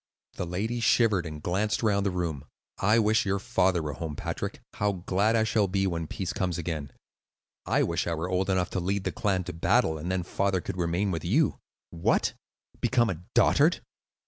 The lady shivered and glanced round the room. "I wish your father were home, Patrick. How glad I shall be when peace comes again." "I wish I were old enough to lead the clan to battle, then father could remain with you." "What? become a dotard?